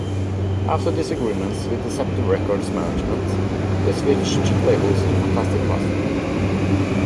After disagreements with Deceptive Records management, they switched labels to Fantastic Plastic.